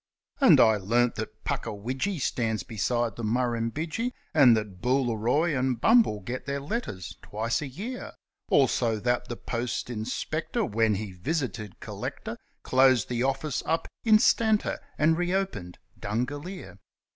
And I learnt that Puckawidgee stands beside the Murrumbidgee, And that Booleroi and Bumble get their letters twice a year, Also that the post inspector, when he visited Collector, Closed the office up instanter, and re opened Dungalear.